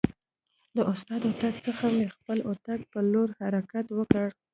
د استاد اتاق څخه مې خپل اتاق په لور حرکت وکړ.